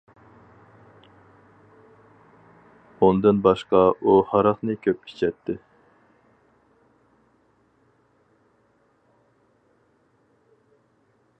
ئۇندىن باشقا ئۇ ھاراقنى كۆپ ئىچەتتى.